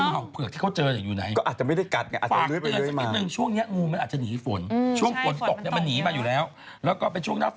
หมอก็ได้ฉีดเซรุมแล้วก็ให้นอนพักตัวอาการ